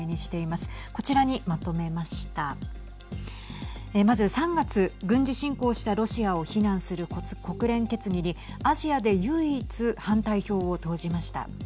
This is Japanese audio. まず３月、軍事侵攻したロシアを非難する国連決議にアジアで唯一反対票を投じました。